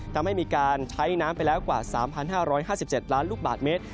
ทำให้มีการใช้น้ำไปแล้วกว่า๓๕๕๗ล้านลูกบาทเมตร